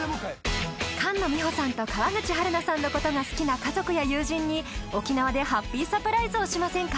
菅野美穂さんと川口春奈さんのことが好きな家族や友人に沖縄でハッピーサプライズをしませんか？